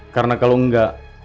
karena kalau enggak